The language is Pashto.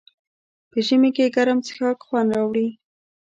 په ژمي کې ګرم څښاک خوند راوړي.